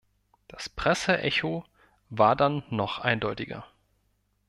Das Presseecho war dann noch eindeutiger.